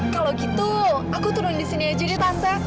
kalau gitu aku turun di sini aja deh tansa